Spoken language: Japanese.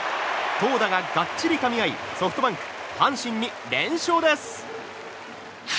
投打ががっちりかみ合いソフトバンク、阪神に連勝です。